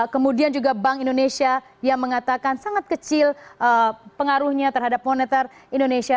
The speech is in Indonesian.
kemudian juga bank indonesia yang mengatakan sangat kecil pengaruhnya terhadap moneter indonesia